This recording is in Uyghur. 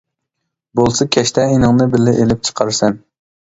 بولسا كەچتە ئىنىڭنى بىللە ئېلىپ چىقارسەن.